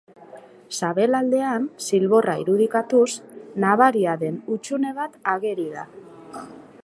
Sabelaldean, zilborra irudikatuz, nabaria den hutsune bat ageri da.